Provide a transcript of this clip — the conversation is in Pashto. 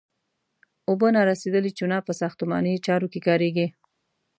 اوبه نارسیدلې چونه په ساختماني چارو کې کاریږي.